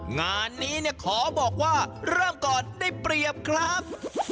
งานนี้เนี่ยขอบอกว่าเริ่มก่อนได้เปรียบครับ